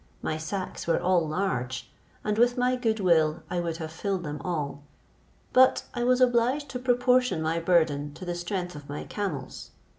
My sacks were all large, and with my good will I would have filled them all; but I was obliged to proportion my burden to the strength of my camels.